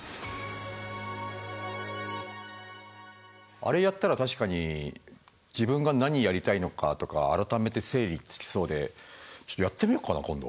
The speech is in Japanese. あれやったら確かに自分が何やりたいのかとか改めて整理つきそうでちょっとやってみよっかな今度。